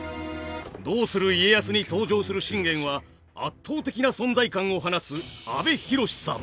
「どうする家康」に登場する信玄は圧倒的な存在感を放つ阿部寛さん。